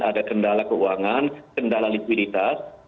ada kendala keuangan kendala likuiditas